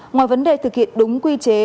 ngoài vấn đề thực hiện đúng quy chế